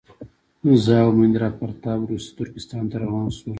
زه او مهیندراپراتاپ روسي ترکستان ته روان شولو.